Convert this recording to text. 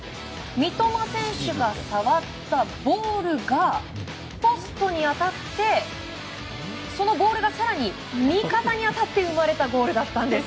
三笘選手が触ったボールがポストに当たってそのボールが更に味方に当たって生まれたゴールだったんです。